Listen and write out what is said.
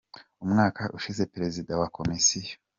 Umwaka ushize Perezida wa Komisiyo.